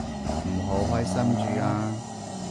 唔好開心住啊